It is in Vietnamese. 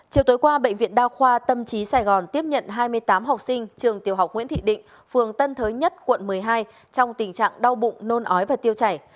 chiều tối qua bệnh viện đa khoa tâm trí sài gòn tiếp nhận hai mươi tám học sinh trường tiểu học nguyễn thị định phường tân thới nhất quận một mươi hai trong tình trạng đau bụng nôn ói và tiêu chảy